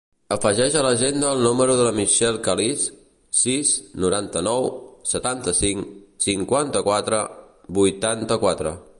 Afegeix a l'agenda el número de la Michelle Caliz: sis, noranta-nou, setanta-cinc, cinquanta-quatre, vuitanta-quatre.